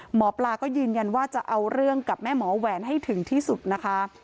หมอปลาก็ยืนยันว่าจะเอาเรื่องกับแม่หมอแหวนให้ถึงที่สุดนะคะ